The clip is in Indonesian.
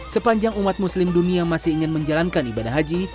sepanjang umat muslim dunia masih ingin menjalankan ibadah haji